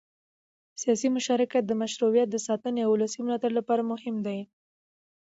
سیاسي مشارکت د مشروعیت د ساتنې او ولسي ملاتړ لپاره مهم دی